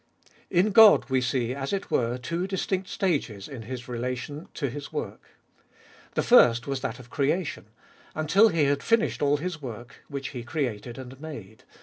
In God we see, as it were, two distinct stages in His relation 152 abe iboliest of 2UI to His work. The first was that of creation — until He had finished all His work which He created and made.